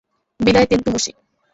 বিদায়, তেনতোমুশি।